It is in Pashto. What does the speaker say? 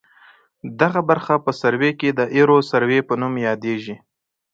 دغه برخه په سروې کې د ایروسروې په نوم یادیږي